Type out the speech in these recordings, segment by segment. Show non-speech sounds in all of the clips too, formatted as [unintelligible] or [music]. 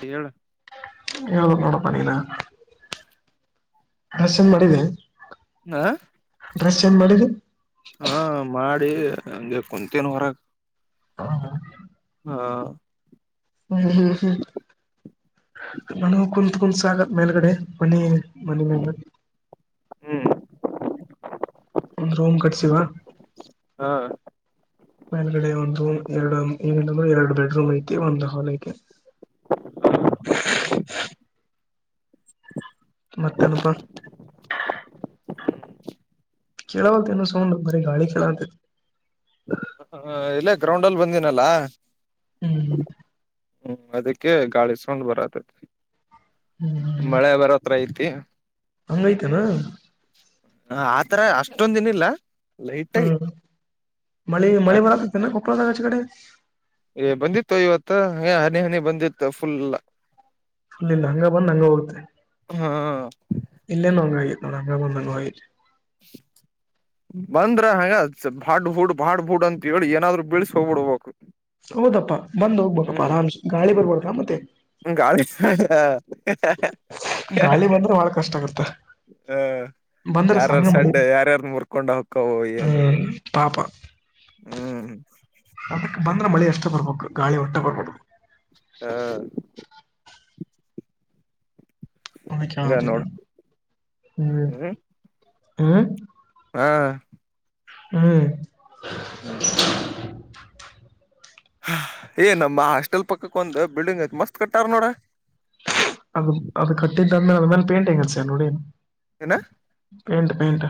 ಕಳ ಯಾವ್ದು ನೋಡಪ್ಪಣರಸನ್ ಮಾಡಿದೆ ಹ ಡ್ರೆಸ್ ಚೇಂಜ್ ಮಾಡಿದ್ದ ಅಡಿ ಅೆ ಕುತನ ಹೊರಗೆ ಹಾ ಹಾ ಹಾ ಹ್ಮ್ ಹ್ಮ್ ಹ್ಮ್ ನನಗ ಕುೂತ್ ಕುತ್ ಆಗತ್ ಮೇಲ್ಗಡೆ ಮನಿ ಮನಂದ ಹ್ಮ್ ಒಂದು್ ರೂಮ್ ಕಟ್ಸಿವ ಹ ಮೇಲ್ಗಡೆ ಒಂದು ಎರಡು ಏನಿಲ್ಲಂದ್ರೆ ಎರಡು ಬೆಡ್ರೂಮ್ ಐತಿ ಒಂದ್ ಹಾಲ್ ಐತಿ ಮತ್ತೆಲ್ಪ ಕೇೇಳಾವದುನ್ನು ಸೋ ಬ ಗಾಳಿ ಕೆೇಳತ ಹ ಇಲ್ಲೇ ಗ್ರೌಂಡ್ಲ್ಲಿ ಬಂದನಲ್ಲ ಹ್ಮ್ ಹ್ಮ್ ಅದಕ್ಕೆ ಗಾಳಿಸಕೊಂಡ್ ಬರತ್ತತಿ ಮಳೆ ಬರತ್ರ ಇ ಅ ಹಂಗೈ್ತನಾ ಹ ಆತರ ಅಷ್ಟೊಂದ ದಿನ ಇಲ್ಲ ಹ್ಮ್ ಮಳಿ ಮಳಿ ಬರನ್ನ ಕೊಪ್ಪರದಾಗಚ ಕಡೆ ಏ ಬಂದಿತ್ತು ಇವತ್ತ ಹ ಹನಿ ಹನಿ ಬಂದಿತ್ತು ಫುಲ್ ಫುಲ್ ಇಲ್ಲ ಹಂಗ ಬಂದ್ ಹಂಗ ಹೋಗುತ್ತೆ ಹಾ ಇಲ್ಲಂದ ಹಂಗಾಗಿ ನೋಡ ಹಂಗ ಬಂದಂಗ ಬಂದ್ರ ಹಂಗ ಬಾಡ್ ಹೂಡ್ ಬಾಡ್ ಹೂಡ್ ಅಂತ ಹೇಳಿ ಏನಾದ್ರು ಬಳ್ಸ ಹೋಗ್ಬಿಡ್ಬೇಕು ಹೌದಪ್ಪಾ ಬಂದ್ ಹೋಗ್ಬೇಕಪ್ಪಾ ಹ್ಮ್ ಆರಾಮ್ಸೆ ಗಾಳಿ ಬರ್ಬಾರ್ದಾ ಮತ್ತೆ ಹ ಗಳ ಗಾಳಿ ಬಂದ್ರೆ ಬಾಳ ಕಷ್ಟ ಆಗತ್ತ ಹ ಬಂದ್ರೆ ಯಾರ್ಯಾರ್ ಸಣ್ಣ ಮಳಿ ಸಡ್ ಯಾರ್ಯಾರ ಮುರ್ಕೊಂಡ ಹಕ್ಕವ ಏನ ಹ್ಮ್ ಪಾಪ ಅದಕ್ಕೆ ಬಂದ್ರ ಮಳೆ ಅಷ್ಟ ಡ್ಬೇಕು ಗಾಳಿ ಹೊಟ್ಟೆ ಕೊಡ್ಬ ಹಾ ಅನ ಹಿಂಗ ಕಾಣುದಿಲ್ಲ ನೋಡ್ ಹ್ಮ್ ಹ ಹಾ ಹ್ಮ್ ಹ್ಮ ಹ್ಮ್್ಮ ಹ್ಮ್ಮ್. ಏ ನಮ್ಮ ಹಾಸ್ಟೆಲ್ ಪಕ್ಕಕ್ ಒಂದ್ ಬಿಲ್ಡಿಂಗ್ ಐತ್ ಮಸ್ತ್ ಕಟ್ಟಾರ ನೋಡ ಚನ್ನೋಡ ಹನಾ ಪೇಂಟ ಪೇಂಟ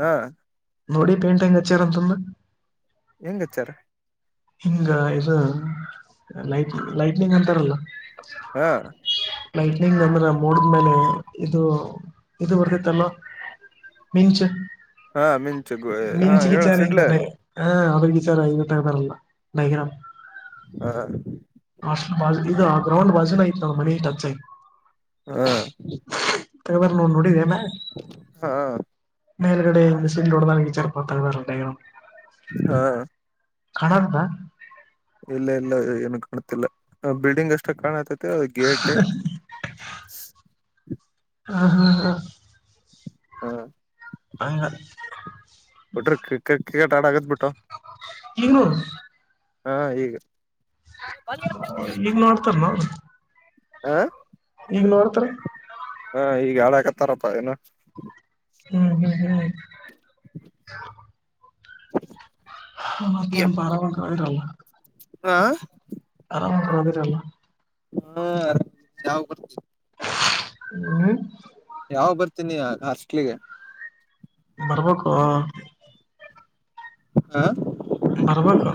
ಹಾ ನೋಡಿ ಪೇಂಟಿಂಗ್ ಹಚ್ಚಿಾ [unintelligible] ರಂತಂದು ಹೆಂಗ್ ಹಚ್ಚಾರ ಹಿಂಗ ಇದು ಲೈಟ್್ ಲೈಟ್ನಿಂಗ್ ಅಂತಾರಲ್ಲ ಹಾ ಲೈಟ್ನಿಂಗ್ ಅಂದ್ರೆ ಮೂೋಡಿದ್ಮೇಲೆ ಇದು ಇದು ಬರ್ತಿತ್ತಲ್ ಮಿಂಚು ಹಾ ಮಿಂಚುಗ ಹಾ ಹೇಳಸ ಇಡ್ಲೆ ಹಾ ಅವ್ರ ವಿಚಾರಐವ ತಗ ಬರಲ್ಲ ಡೈಗ್ರಾಮ್ ಹಾ ಹ ಅಷ್ಟ ಬ ಇದು ಆ ಗ್ರೌಂಡ್ ಬಾಜನ ಆಐತ್ ನ್ ಮನ ಟಚ್ ಆಯ್ು ಹಾ ತಗಬಾರ್ರ ನೋವು ನೋಡಿದೇಲ್ಲ ಹಾ ಮೇಲ್ ಕಡೆ ಮಸೋಡ ನಗೆಚಾರರ್ ಪತರಲ್ಲ ಹಾ ಕಾಣಂತ ಇಲ್ಲ ಇಲ್ಲ ಏನು ಕಾಣತಿಲ್ಲ ಬಿಲ್ಡಿಂಗ್ ಅಷ್ಟೇ ಕಾಣತ ತ್ತ ಗೇಟ್ ಹ್ಮ ಹಾ ಹಾ ಹಾ ಹ ಬಿಟ್ರ ಕಿಕಟ್ ಕ್ರಿಕೆಟ್ ಆಡ ಆಗದತ್ ಬಿಟ್ಟು ಇನುೂ ಹಾ ಈಗ ಈಗ್ ಮಾಡೋಡ್ತಾರ ನ ಹಾ ಈಗ ನೋಡ್ತ್ರರಿ ಹ ಈಗ ಹಾಳಾಕತ್ತಾರಪ್ಪ ಏನ ಹ್ಮ್ ಹ್ಮ್ ಹ್ಮ್ ಹ್ಮ ಮತ್ತೇನ್ ಬಾರ ಒಳಗರಲ್ಲ ಹಾ ಹದಿರಲ್ಲ ಹಾಾಮ ಯಾವ ಬರ್ ಹ್ಮ ಯಾವ ಬರ್ತೀನಿ ಹಸ್ಟ್ಲಿಗೆ ಬರ್ಬೇಕು ಹಾ ಬರ್ಬೇಕು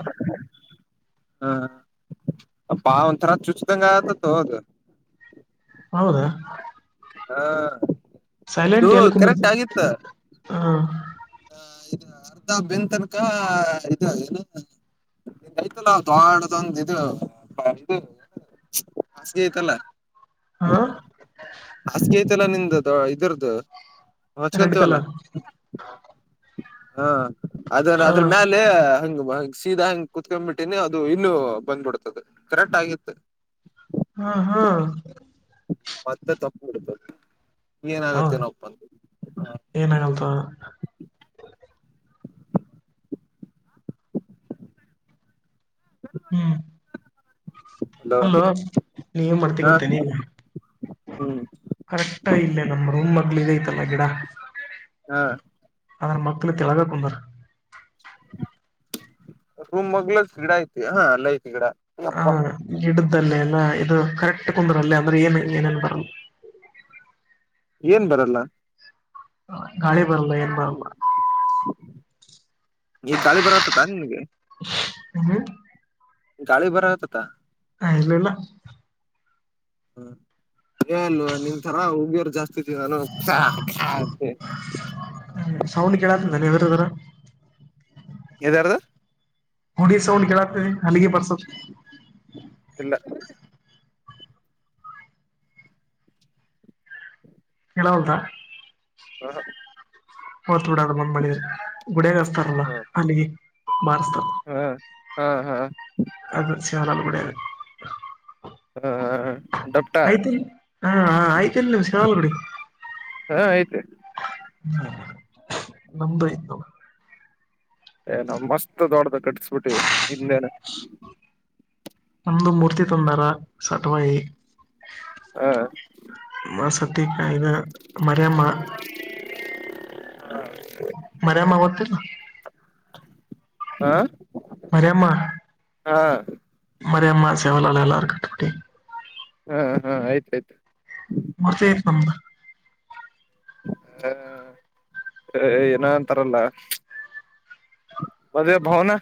ಹಾ ಅಪ್ಪಾ ಒಂಥರ ಚುಚಿದಂಗ್ಗ ಆಗಾಕತ್ತಾದ ತೊ ಅದು ಹೌದಾ ಹಾ ಅದು ಕರೆಕ್ಟ್ ಆಗಿತ್ತು ಹ್ಮ ಅರ್ಧ ಬೆನ್ನ ತನಕ ಇದು ಏನ್ ಹೈತಾಳ ಐತಲ್ಲ ದ್ವಾಂಡದೊಂದು ಇದು ಇದುಸ್ ಐತಲ್ಲ ಹಾ ಹಾಸ್ಗೆ ಹೆಂತಾಳ ನಿಂದು ಇದರದು ರೆಡ್ ವಚಗತಿವಲ್ಲ ಕಲರ್ ಹಾ ಅದ ಹ ಅದ್ರಾ ಮ್ಯಾಲಿ ಹಂಗ ಸೀದಾ ಹಂಗೆ ಕುೂತ್ಕೊಂಡ್ಬಿಟ್ಟಿನಿ ಅದು ಇನ್ನು ಬಂದ್ಬಿಡ್ತದೆ ಕರೆಕ್ಟ್ ಆಗಿತ್ತು ಹಾ ಹಾ. ಮತ್ತೆ ತಪ್ಪು ಹುಡುಕೋದು. ಏನಾಗತ್ತೆ ಹೌದು ನೋ ಒಪ್ಪಂದ ಹ. ಏನಾಗಲ್ತ ಹ್ಮ್. ಹಲೋ ಅಲ್ಲೋ ನೀವ ಮಾಡ್ತ ಮಾಡ್ತೀ ಹ ಗೊತ್ತೇನಿಗ. ಹ್ಮ್ ಕರೆಕ್ಟ ಇಲ್ಲೇ ನಮ್ಮ್ ರೂಮ್ ಮಗ್ಳ ಇ. ಅಲ್ಲಿ ಗಿಡ ಹ ಅದ್ರ ಮಕ್ಳ ತೆಳ್ಬೇಕ ಕುಂದ್ರ. ರೂಮ್ ಮಗ್ಲ ಗಿಡ ಐತಿ ಹಾ ಅಲ್ಲೇ ಐತಿ ಗಿಡ. ಹಾ ಅಪ್ಪ ಗಿಡ. ಇದಲ್ಲೇಲ್ಲ ಇದು ಕರೆಕ್ಟ್ ಕುಂದ್ರಲ್ಲ ಅಂದ್ರೆ ಏನ್ ಏನೇನ್ ಬರಲ್ಲ. ಏನ್ ಬರಲ್ಲಾ. ಹ ಗಾಳಿ ಬರಲ್ಲ ಏನ್ ಬರಲ್ಲಾ. ಈಗ ಗಾಳಿ ಬರಕತ್ತತದ ನಿನಗ. ಹ್ಮ್ಮ. ಗಾಳಿ ಬರತತಾ. ಆ ಇಲ್ಲಲ್ಲಾ. ಹ ಏನು ನಿನ್ ತರ ಹುಡಿಗೆರ ಜಾಸ್ತಿ. ದಿದೀರೇನು ಸಾಕಾಗಿ. ಸೌಂಡ್ ಕೆಳತೇತಿ ಏನ್ ಎದರ್ದರೆ. ಎದರದು. ಗುಡಿ ಸೌಂಡ್ ಕೆಳತೇತಿ ಏನ್ ಹಳಿಗಿ ಬಾರಸದು. ಇಲ್ಲಾ. ಎಲ್ಲಾ ಹೋತ. ಹಾ ಹ. ಹೋತ ಬಿಡದ ಬಂದ ಮಾಡಿದರು ಗುಡಿಯಗ ಅಸ್ತರಳ ಹ ಹಲಿಗಿ ಬಾರಸ್ತಾರ. ಹಾ ಹಾ. ಅದು ಸಾಲಲ್ಲ ಗುಡ್ಯಾಗ್. ಹ ಡಪಟ್ಟ. ಹಾ ಹ ಆಯ್ತಲ್ ನಿಮ ಶಲ್ ಬಿಡಿ. ಹು. [inaudible] ಹ್ಮ್ ನಮ್ದು ಆಯ್ತ್ ನೋಡು. ಏ ನಾವ ಮಸ್ತ್ ದೊಡ್ದ ಕಟ್ಟಿಸಬಿಟ್ಟಿವವಿ ಇನ್ನೇನ. ಒಂದು ಮೂರ್ತಿ ತಂದಾರ ಸಟ್ವಾಯಿ. ಹ ಮಾಸತಿ ಕಾಯ್ದ ಮರೆಯಮ್ಮ. ಹೌ. [inaudible] ಮರೆಯಮ್ಮ ಗೊತ್ತಿಲ್ಲ. ಹಾ. ಮರಿಮ್ಮ ಮರಿಮ್ಮ ಸೇವಲಾಲ ಎಲ್ಲಾಕಟ ಬಿ. ಹಾ ಹಾ ಆಯ್ತಾ ಆಯ್ತಾ. ಮೂರ್ತಿ ಆಯ್ತಿ ನಮ್ದ. ಹ ಏನ ಅಂತಾರಲ್ಲ ಮದೆ ಭಾವನಾ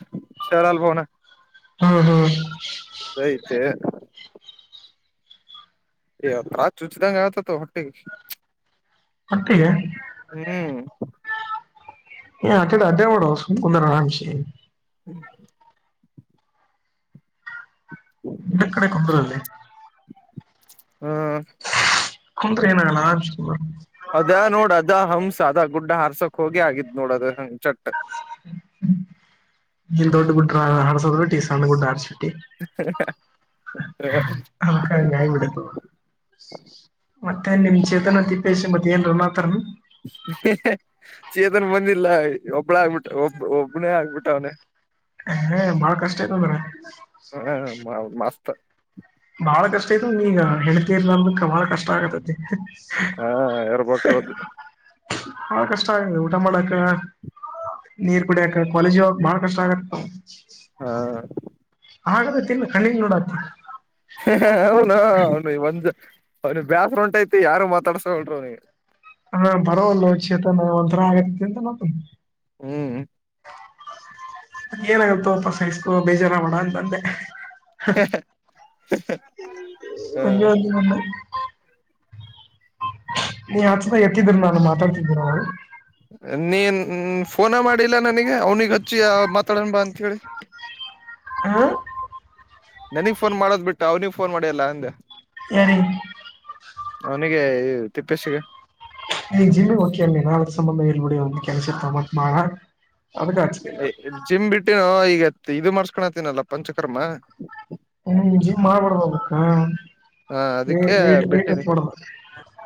ಶರಾಲ ಭಾವನಾ. ಹ್ಮ್ ಹ್ಮ್. ಅದ ಆಯ್ತಿ. ಭಾಳ ಚೂಚಿದಂಗ ಅಗಾತೆತೋ ಹೊಟ್ಟಿ. ಮಟ್ಟಿಗೆ ಹ್ಮ್. ಏ ಅತ್ತ ಇತ್ತ ಅಡ್ಯಾಡ್ ಬ್ಯಾಡೊ ಸುಮ್ ಕುಂಡ್ರ ಅರಮ್ಸಿ. ಹ್ಮ್. ಒಂದ ಕಡೆ ಕುಂದ್ರ ಅಲ್ಲೇ. ಹಾ. [unintelligible] ಅದ ನೋಡ ಅದ ಹಂಸ ಅದ ಗುಡ್ಡ ಹಾರ್ಸಕ್ ಹೋಗಿ ಆಗಿದ್ ನೋಡ ಅದ ಹ ಚಟ್ ನಿ ದೊಡ್ಡ ಗಡ್ಡ [unintelligible] ಅದ್ಕ ಅಂಗಗಿಬಿಟೈತಿ ಅದು ಮತ್ತೆ ನಿಮ್ ಚೇತನ ದೀಪೇಶ್ ಮತ್ತ ಏನ್ ಮಾತಾರ ಏನ್ [unintelligible] ಚೀತನ್ ಬಂದಿಲ್ಲ ಒಬ್ಬಳ ಆಗ್ಬಿಟ್ಟ ಒಬ್ ಒಬ್ನೇ ಆಗ್ಬಿಟ್ಟ ಅವ್ನೆ ಹ ಬಳ ಕಷ್ಟಟ ಅಂದರ ಪ್ಪ ಬಹಳ ಕಷ್ಟ ಇ ಈಗ ಹೆಂಡತಿ ಇರ್ಲಾ ಅಂದ ಬಹಳ ಕಷ್ಟ ಆಗತತಿ ಹಾ ಇರ್ಬೇಕದು ಬಾಳ ಕಷ್ಟ ಆಗಿದೆ ಊಟ ಮಾಡಕ್ಕ ನೀರ್ ಕುಡಿಯಕ ಕಾಲೇಜಿ ಹೋಗಕ್ ಬಾಳ ಕಷ್ಟ ಆಗತ್ತ ಹಾ ಹಾಗದತಿ ಇಲ್ಲ ಕಣ್ಣೀಗ್ ನೋಡಕ್ ಅವ್ನಿ ಬೇಸರು ಒಂಟೈತಿ ಯಾರು ಮಾತಾಡ್ಸಗೋಳ್ರರು ಅವನಿಗೆ ಹಾ ಬರೋಲ್ಲವ ಚೇತನ ಒಂಥರಾ ಆಗತ್ತತಿ ಅಂತ ನೋತ ಹ್ಮ್ ಏನಾಗುತ್ತೋಪ್ಪ ಸಾಯಸ್ಕೋ ಬೇಜಾರ ಮಾಡೋ ಅಂತ ಬಂದೆ ಹ [unintelligible] ನೀ ಆಚೆನ್ನಾಗ ಎತ್ತಿದಿರ ನಾನು ಮಾತಾಡ್ತಿದ್ದೀರ ನೀನ್ ಫೋನ ಮಾಡಿಲ್ಲ ನನಗೆ ಅವ್ನಿಗೆ ಹಚ್ಚಿ ಮಾತಾಡಣ ಬಾ ಅಂತ ಹೇಳಿ ಹ ನನಗ್ ಫೋನ್ ಮಾಡೋದ್ ಬಿಟ್ಟು ಅವ್ನಿಗ್ ಫೋನ್ ಮಾಡಿಯಲ್ಲ ಅಂದೆ ಯಾರಿಗಿ ಅವನಿಗೆ ತಿಪ್ಪೆಸಿಗೆ [unintelligible] ಹಚ್ಚಲಿಲ್ಲ ಜಿಮ್ ಬಿಟ್ಟಿನೋ ಈಗ ಇದು ಮಾಡ್ಸ್ಕೊಂಡತ್ತನಲ್ಲ ಪಂಚಕರ್ಮ ಹ್ಮ ಜಿಮ್ ಮಾಡ್ಬಡಕ್ಕ ಹಾ ಅದಕ್ಕೆ ಬಿಟ್ಟೀನಿ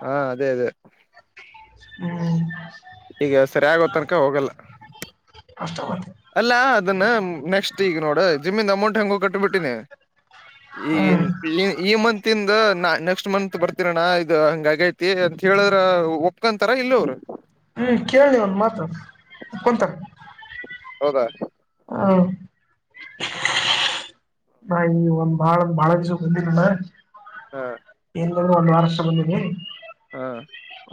ಹಾ ಅದೇ ಅದೇ ಹ್ಮ್ ಈಗ ಸರಿ ಆಗೋ ತನಕ ಹೋಗಲ್ಲ [inaudible] ಅಲ್ಲಾ ಅದನ್ನ ನೆಕ್ಸ್ಟ್ ಈಗ ನೋಡು ಜಿಮ್ಮನ್ ಅಮೌಂಟ್ ಹೆಂಗೋ ಕಟ್ಟಬಿಟ್ಟೀನಿ ಈ ಹ್ಮ್ ಈ ಮತ್ ಇಂದ ನಾ ನೆಕ್ಸ್ಟ್ ಮಂತ್ ಬರ್ತೀನಿಹಣ ಇ ಹಂಗಗೈತಿ ಅಂತ ಹೇಳಿದ್ರ ಒಪ್ಕೊಂತಾರ ಇಲ್ಲ ಅವ್ರು ಕೊಂತಾರ ಹೌದಾ ಹಾ ನಾ ಈ ಒಂದ್ ಬಾಳ ಒಂದ್ ಬಾಳ ದಸ ಬಂದಿಲ್ಲಲ್ಲ ಹಾ ವಾರಷ್ಟು ಬಂದಿನಿ ಹಾ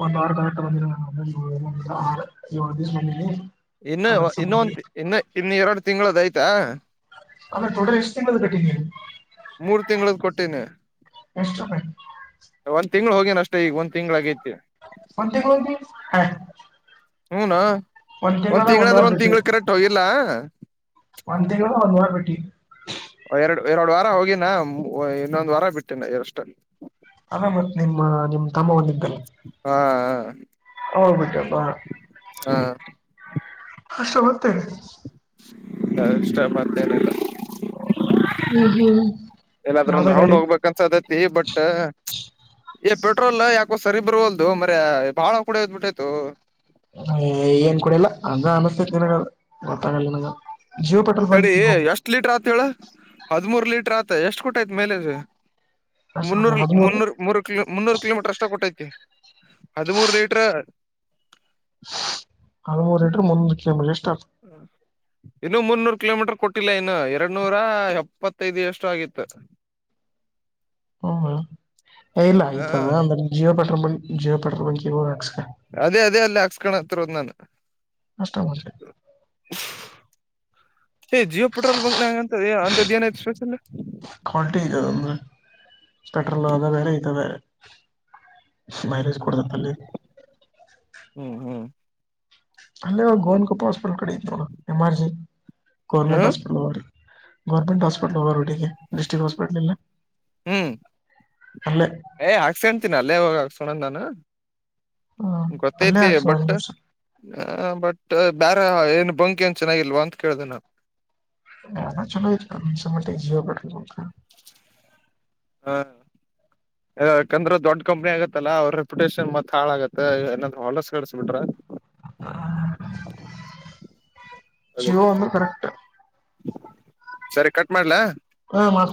[unintelligible] ಇನ್ನು ಅದ್ರ ಇನ್ನೊ ಸಂಬಂಧಿ ಒಂದು ಇನ್ನು ಇನ್ನು ಎರಡು ತಿಂಳದ ಆಯ್ತಾ ಅಂದ್ರೆ ಟೋಟಲ್ ಎಷ್ಟು ತಿಂಗಳು ಕಟ್ಟದಿಯಾ ನೀವು ಮೂರ್ ತಿಂಗಳದ ಕೊಟ್ಟೀನಿ ಎಷ್ಟು ಒಂದ್ ತಿಂಗಳ ಹೋಗೇನ ಅಷ್ಟೇ ಈಗಂದ ತಿಂಗ್ಳ ಆಗೈತಿ ಒಂತತಿಗಳ್ ಹೋಗಿ ಹಾ ಹೂನ ಒಂದ್ ತಿಂಗಳ ಅಂದ್ರೆ ಒಂದ್ ತಿಂಗಳ ಕರೆಂಟ್ ಹೋಗಿಲ್ಲಾ ಒಂದು ತಿಂಗಳ ಒಂದುವಾರ ಬಿಟ್ಟಿ. ಎರಡು ಎರಡು ವಾರ ಹೋಗಿನ ಇನ್ನೊಂದು ವಾರ ಬಿಟ್ಟಿನ ಅಷ್ಟ ಅಲ್ಲ ಮತ್ ನಿಮ್ಮ ನಿಮ್ ತಮ್ಮ ಒಂದಿದ್ದ ಹಾ ಹ ಅವರಿಗೆ ಬಿಟಪ್ಪಾ [unintelligible] ಇಷ್ಟ ಮತೆನಿಲ್ಲಾ ಹ್ಮ್ ಹ್ಮ್ ಎಲ್ಲಾದ್ರ ಒಂದ್ ಯಾವ್ದ ರೌಂಡ್ ಗಾಡಿ ಹೋಗ್ಬೇಕಂತಸದೈತಿ ಬಟ್ ಏ ಪೆಟ್ರೋಲ್ ಯಾಕೋ ಸರಿ ಬರ್ವಲ್ದು ಮಾರಾಯಾ ಬಾಳ ಕೂಡೋದ್ಬಿಟತೋ ಏನ್ ಕುಡಿಲ್ಲ ಅಂದ ಅನಿಸತೇತಿ ನಿನ್ಗ ಗೊತ್ತಂಗಲ್ಲ ನಿನ್ಗ ತಡಿ ಎಷ್ಟ್ ಲೀಟರ್ ಆತ ಹೇಳ ಹದಮೂರ್ ಲೀಟರ್ ಆತ ಎಷ್ಟ್ ಕೊಟಯ್ತ ಮೈಲೇಜ್ ಅಷ್ಟ ಮುನ್ನೂರ್ ಹದಿಮೂರು ಮುನ್ನೂರ್ ಮೂರು ಕಿಲೋ ಮುನ್ನೂರು ಕಿಲೋಮೀಟರ್ ಅಷ್ಟ ಕೊಟ್ಟೈತಿ ಹದಿಮೂರು ಲೀಟರ್ ಹದ ಮೂರು ಲಿಟರ್ ಮೂರು ಕಿಲೋಮೀಟರ್ ಅಷ್ಟ ಹ್ಮ ಇನ್ನು ಮುರ್ನ್ನೂರ್ ಕಿಲೋಮೀಟರ್ ಕೊಟ್ಟಿಲ್ಲ ಇನ್ನು ಎರಡ್ನೂರ ಎಪ್ಪತ್ತೈದು ಎಷ್ಟೋ ಆಗಿತ್ತ [unintelligible] ಹ್ಮ್ ಇಲ್ಲ ಹಾ ಆಯ್ತದ ಅಂದ್ರೆ Jio petrol bunk Jio petrol ಬಂಕ ಹಾಕ್ಸ ಅದೇ ಅದೇ ಅಲ್ಲಿ ಹಾಕ್ಸ್ಕೊಂಡ ಹತ್ತರೋದ್ ನಾನು [unintelligible] ಏ ಜಿಯೋ ಪೆಟ್ರೋಲ್ ಬಂಕ್ ನಾಗಂತ ಅಂತ ಏನ್ ಐತ ಶೇಚಲ್ಲ ಕ್ವಾಲಿಟಿ ಇದೆ ಅಂದ್ರೆ [unintelligible] ಅದ ಬೇರೆ ಈತ ಬೇರೆ ಹ್ಮ್ ಮೈಲೇಜ್ ಕೊಡತೈತ್ತ ಅಲ್ಲಿ ಹ್ಮ್ ಹ್ಮ್ ಅಲ್ಲೇ ಗೋವನ್ಕೊಪ್ಪ ಹಾಸ್ಪಿಟಲ್ ಕಡೆ ಇ ನೋಡ ಎಮರ್ಜಿ ಗೌರ್ಮೆಂಟ್ ಹ್ಮ್ ಹಾಸ್ಪಿಟಲ್ ಗೌರ್ಮೆಂಟ್ ಹಾಸ್ಪಿಟಲ್ ರೋಡಿಗೆ ಡಿಸ್ಟಿಕ್ ಹಾಸ್ಪಿಟಲ ಇಲಾ ಹ್ಮ್ ಏ ಹಾಕ್ಸತೀನ ಅಲ್ಲೇ ಹೋಗಿ ಹಾಸ ಕೋಳೋದ ಹ್ಮ ಅಲ್ಲೇ ಗೊತ್ತೈತಿ ಹಾಕ್ಸೋ ಬಟ್ ಆಲ್ಮೋಸ್ಟ್ ಹ ಬಟ್ ಬೇರ ಏನ್ ಬಂಕ ಏನ್ ಚೆನ್ನಾಗಿಲ್ವಾ ಅಂತ ಕೇಳ್ದ ನಾನು ಹದ ಚಲೋ ಆಯಿತಪಾ ನನಗನ್ನಿಸು ಮಟ್ಟಿಗಿ ಹಾ ಯಾಕಂದ್ರೆ ದೊಡ್ ಕಂಪ್ನಿ ಆಗತ್ತಲ್ಲ ಅವ್ರ ರೆಪ್ಯುಟೇಷನ್ ಮತ್ ಹಾಳಾಗತ್ತ ಏದ್ ಹೊಲಸ್ ಕಡಸ ಬಿಟ್ರ [unintelligible] ಜಿಯೋ ಅದಕ್ಕೆ ಒಂದು ಕರೆಕ್ಟ್ ಸರಿ ಕಟ್ ಮಾಡ್ಲಾ ಹ್ಮ ಮಾಡ